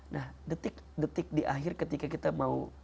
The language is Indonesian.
nah detik detik di akhir ketika kita mau